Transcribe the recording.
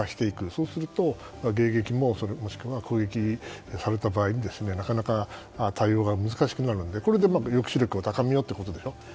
そうすると迎撃もしくは攻撃された場合になかなか対応が難しくなるのでそれで抑止力を高めようってことでしょ。